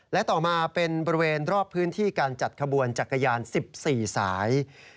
และต่อมาเป็นบริเวณรอบพื้นที่การจัดขบวนจักรยาน๑๔สาย